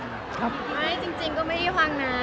ไม่จริงก็ไม่ได้ฟังนะ